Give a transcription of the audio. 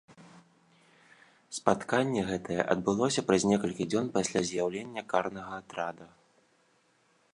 Спатканне гэтае адбылося праз некалькі дзён пасля з'яўлення карнага атрада.